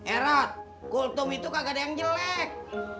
erat kultum itu kagak ada yang jelek